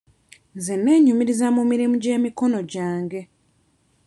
Nze neenyumiriza mu mirimu gy'emikono gyange.